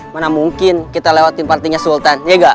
mana mungkin kita lewatin partinya sultan ya gak